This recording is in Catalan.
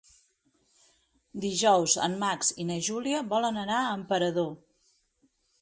Dijous en Max i na Júlia volen anar a Emperador.